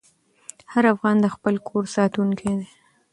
هر افغان د خپل کور ساتونکی دی.